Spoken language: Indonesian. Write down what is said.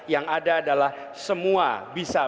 yang ada adalah semua bisa